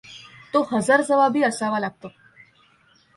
तो हजरजबाबी असावा लागतो.